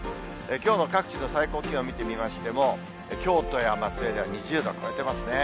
きょうの各地の最高気温見てみましても、京都や松江では２０度超えてますね。